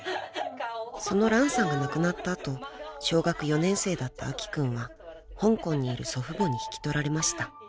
［そのランさんが亡くなった後小学４年生だった明希君は香港にいる祖父母に引き取られました。